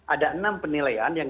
ada enam penilaian yang